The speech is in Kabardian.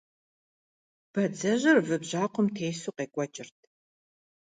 Бадзэжьыр вы бжьакъуэм тесу къекӀуэкӀырт.